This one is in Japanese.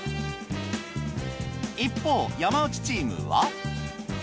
一方山内チームは。